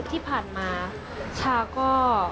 ที่ผ่านมาชาก็